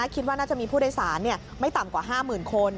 คิดว่าน่าจะมีผู้โดยสารไม่ต่ำกว่า๕๐๐๐คน